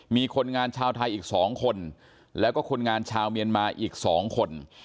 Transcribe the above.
มีคนงานชาวไทยอีก๒คนแล้วก็คนงานชาวเมียนมาอีก๒คน